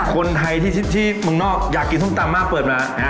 คนไทยที่เมืองนอกอยากกินส้มตำมากเปิดมา